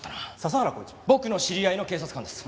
僕の知り合いの警察官です。